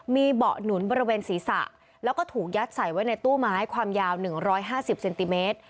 มีเบาะหนุนบริเวณศีรษะแล้วก็ถูกยัดใส่ไว้ในตู้ไม้ความยาว๑๕๐เซนติเมตร